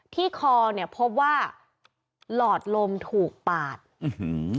ที่คอเนี่ยพบว่าหลอดลมถูกปาดอื้อหือ